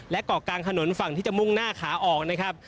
และเกาะกลางถนนฝั่งที่จะมุ่งหน้าขาออกนะครับ